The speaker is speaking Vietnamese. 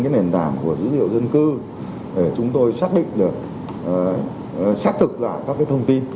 nền tảng của dữ liệu dân cư để chúng tôi xác định được xác thực lại các thông tin